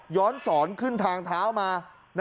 สอนขึ้นทางเท้ามา